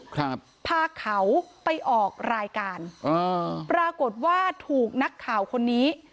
ครับพาเขาไปออกรายการอ่าปรากฏว่าถูกนักข่าวคนนี้